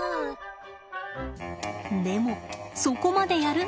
でも「そこまでやる？」